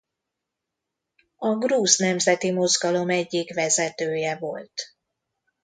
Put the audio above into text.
A grúz nemzeti mozgalom egyik vezetője volt.